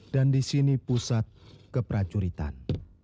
dan di sini pusat kepracuritan